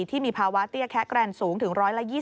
ที่มีภาวะเตี้ยแคะแกรนสูงถึง๑๒๐